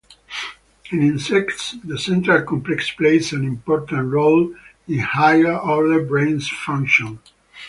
In insects the central complex plays an important role in higher-order brain function.